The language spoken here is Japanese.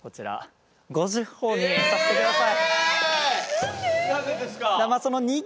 ５０ほぉにさせてください。